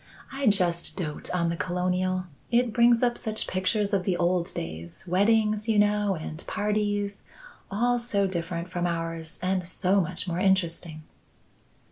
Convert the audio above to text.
I just dote on the Colonial. It brings up such pictures of the old days; weddings, you know, and parties; all so different from ours and so much more interesting."